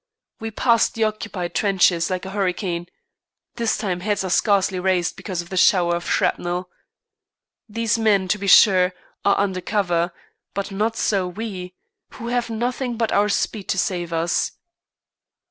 We pass the occupied trenches like a hurricane; this time heads are scarcely raised because of the shower of shrapnel. These men, to be sure, are under cover, but not so we, who have nothing but our speed to save us.